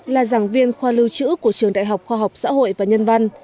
là giảng viên khoa lưu trữ của trường đại học khoa học xã hội và nhân văn